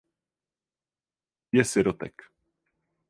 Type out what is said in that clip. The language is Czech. Je sirotek.